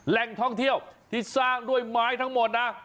แหล่งท่องเที่ยวที่สร้างด้วยไม้ทั้งหมดนะ